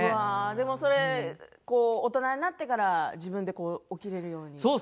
でも大人になってから自分で起きられるようになって。